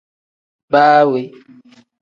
Baa we.